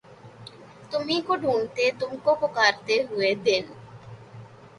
تمہی کو ڈھونڈتے تم کو پکارتے ہوئے دن